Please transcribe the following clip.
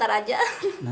datar datar aja ya